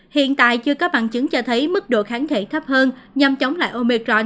hiện tại chưa có bằng chứng cho thấy mức độ kháng thể thấp hơn nhằm chống lại omicron